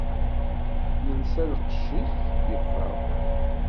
Yelsa lqecc-is, yeffeɣ.